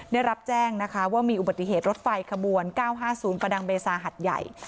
ได้รับแจ้งนะคะว่ามีอุบัติเหตุรถไฟขบวน๙๕๐ประดังเบซาหัดใหญ่